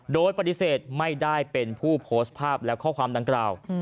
โดยปฏิเสธไม่ได้เป็นผู้โพสต์ภาพและข้อความดังกล่าว